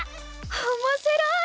おもしろい！